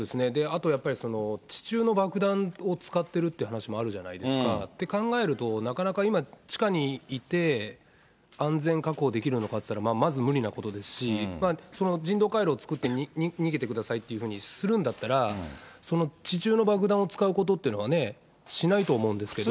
あとやっぱり、地中の爆弾を使っているという話もあるじゃないですか、って考えると、なかなか今、地下にいて、安全確保できるのかっていったら、まず無理なことですし、その人道回廊を作って逃げてくださいというふうにするんだったら、その地中の爆弾を使うことというのはね、しないと思うんですけど。